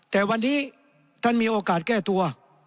แต่วันนี้ท่านมีโอกาสแก้ตัว